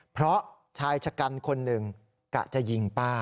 เพราะชายชะกันคนหนึ่งกะจะยิงป้า